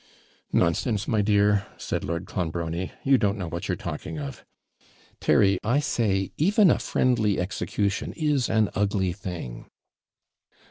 'Nonsense, my dear,' said Lord Clonbrony; 'you don't know what you are talking of. Terry, I say, even a friendly execution is an ugly thing.'